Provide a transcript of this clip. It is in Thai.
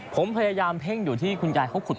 ผมพยายามเพ่งอยู่ที่คุณยายเขาขุด